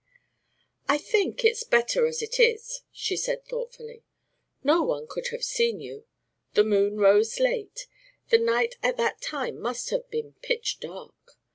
"I think it's better as it is," she said thoughtfully. "No one could have seen you. The moon rose late; the night at that time must have been pitch dark.